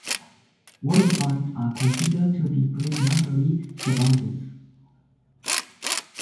Wolverines are considered to be primarily scavengers.